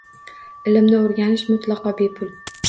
Ilmni o’rganish mutlaqo bepul